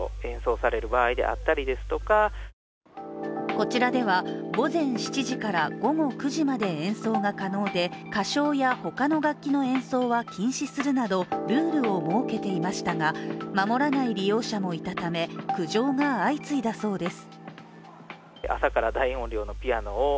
こちらでは午前７時から午後９時まで演奏が可能で、歌唱や他の楽器の演奏は禁止するなどルールを設けていましたが守らない利用者もいたため苦情が相次いだそうです。